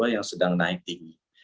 yang sedang naik tinggi